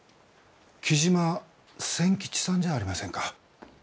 雉真千吉さんじゃありませんか？